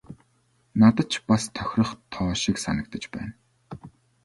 Надад ч бас тохирох тоо шиг санагдаж байна.